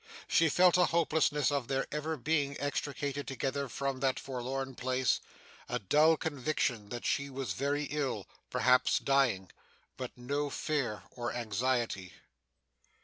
She felt a hopelessness of their ever being extricated together from that forlorn place; a dull conviction that she was very ill, perhaps dying; but no fear or anxiety.